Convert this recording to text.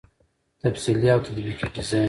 تفصیلي او تطبیقي ډيزاين